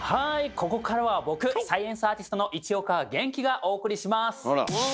ここからは僕サイエンスアーティストの市岡元気がお送りします！